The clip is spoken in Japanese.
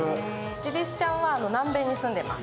ジリスちゃんは南米に住んでます。